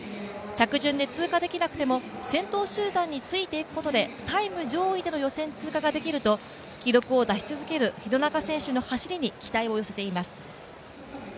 着順で通過できなくても先頭集団について行くことでタイム上位での予選通過ができると記録を出し続ける廣中選手の走りに期待を寄せています。